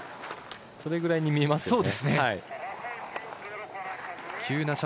それぐらいに見えますよね。